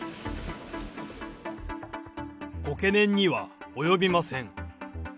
ご懸念には及びません。